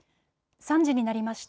３時になりました。